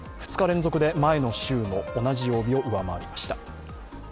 ２日連続で前の週の同じ曜日を上回りました。